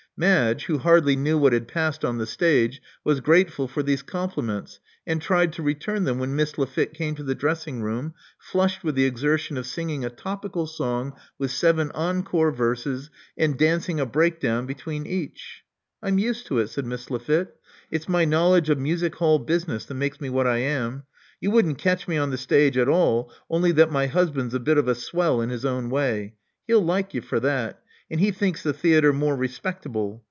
Madge, who hardly knew what had passed on the stage, was grateful for these compliments, and tried to return them when Miss Lafitte came to the dressing room, flushed with the exertion of singing a topical song with seven encore verses, and dancing a break down between each. I'm used to it," said Miss Lafitte. It*s my knowledge of music hall business that makes me what I am. You wouldn't catch me on the stage at all, only that my husband's a bit of a swell in his own way — ^he'U like you for that — and he thinks the theatre more respectable.